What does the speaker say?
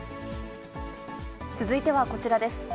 続いてはこちらです。